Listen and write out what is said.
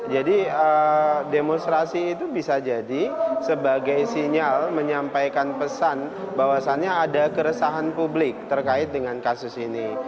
jadi demonstrasi itu bisa jadi sebagai sinyal menyampaikan pesan bahwasannya ada keresahan publik terkait dengan kasus ini